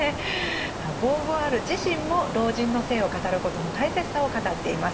さあボーヴォワール自身も老人の性を語ることの大切さを語っています。